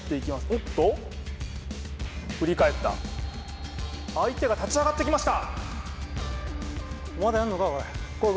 おっと振り返った相手が立ち上がってきました